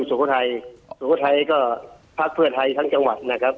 สุขทายก็พักเพื่อไทยทั้งจังหวัดนะครับ